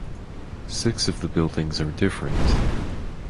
Six of the buildings are different.